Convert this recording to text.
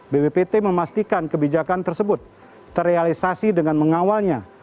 bppt memastikan kebijakan tersebut terrealisasi dengan mengawalnya